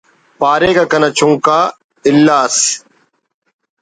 پاریکہ کنا چنکا الّہ ئس